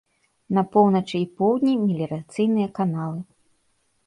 На поўначы і поўдні меліярацыйныя каналы.